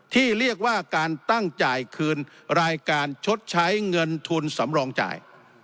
ที่เรียกว่าการตั้งจ่ายคืนรายการชดใช้เงินทุนสำรองจ่าย